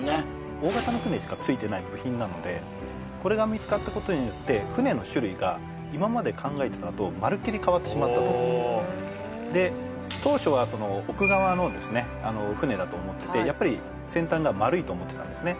大型の船しかついてない部品なのでこれが見つかったことによって船の種類が今まで考えてたのとまるっきり変わってしまったとで当初は奥側の船だと思っててやっぱり先端が丸いと思ってたんですね